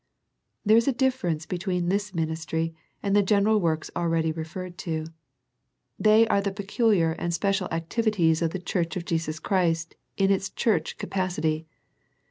There is a difference between this ministry and the general works already referred to. They are the peculiar and special activities of the church of Jesus Christ in its church capacity.